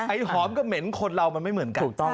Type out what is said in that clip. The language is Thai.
หอมก็เหม็นคนเรามันไม่เหมือนกัน